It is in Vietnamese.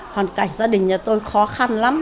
hoàn cảnh gia đình nhà tôi khó khăn lắm